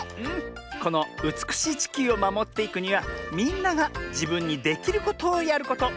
このうつくしいちきゅうをまもっていくにはみんながじぶんにできることをやること。